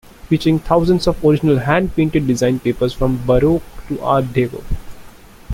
Featuring thousands of original hand painted design papers from Baroque to Art Deco.